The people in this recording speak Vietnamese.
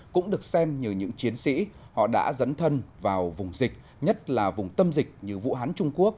cũng được xem như những chiến sĩ họ đã dấn thân vào vùng dịch nhất là vùng tâm dịch như vũ hán trung quốc